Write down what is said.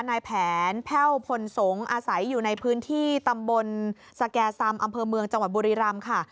นายแผนแพ่วพลสงฆ์อาศัยอยู่ในพื้นที่ตำบลสแก่ซำอำเภอเมืองจังหวัดบุรีรำค่ะ